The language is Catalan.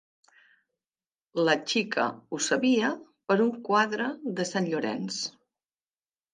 La xica ho sabia per un quadre de Sant Llorenç.